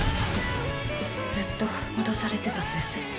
ずっと脅されてたんです。